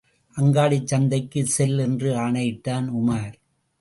அங்காடிச் சந்தைக்கு செல் என்று ஆணையிட்டான் உமார்.